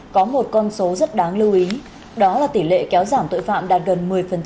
có một con số rất đáng lưu ý đó là tỷ lệ kéo giảm tội phạm đạt gần một mươi